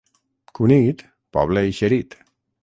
Cunit, poble eixerit!